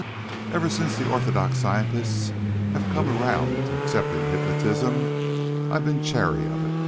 Ever since the orthodox scientists have come around to accepting hypnotism, I'm been chary of it.